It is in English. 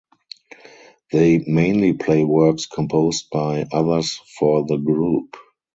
They mainly play works composed by others for the group.